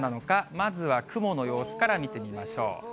まずは雲の様子から見てみましょう。